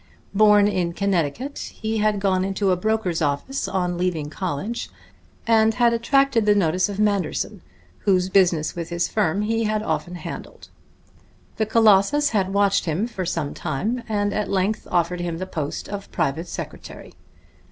Born in Connecticut, he had gone into a broker's office on leaving college, and had attracted the notice of Manderson, whose business with his firm he had often handled. The Colossus had watched him for some time, and at length offered him the post of private secretary.